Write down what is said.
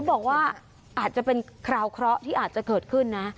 บอกว่าอาจจะเป็นคราวเคราะห์ที่อาจจะเกิดขึ้นนะ